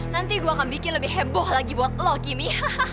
nanti gue akan bikin lebih heboh lagi buat lo kimmy